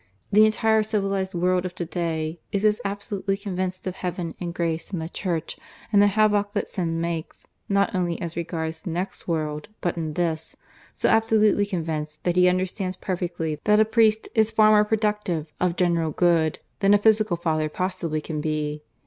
The entire civilized world of to day is as absolutely convinced of Heaven and Grace and the Church, and the havoc that Sin makes not only as regards the next world but in this so absolutely convinced that he understands perfectly that a priest is far more productive of general good than a physical father possibly can be.